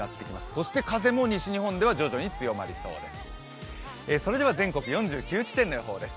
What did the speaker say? そして風も西日本では徐々に強まりそうです。